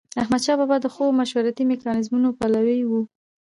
احمدشاه بابا د ښو مشورتي میکانیزمونو پلوي و.